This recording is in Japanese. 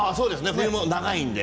冬が長いので。